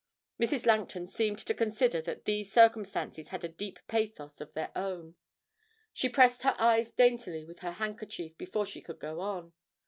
Mrs. Langton seemed to consider that these circumstances had a deep pathos of their own; she pressed her eyes daintily with her handkerchief before she could go on.